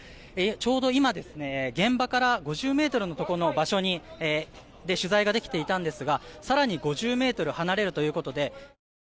ちょうど今、現場から５０ｍのところの場所で取材ができていたんですが更に５０ｍ離れろということで。